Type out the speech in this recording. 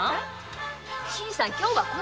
新さん今日は来ないわよ。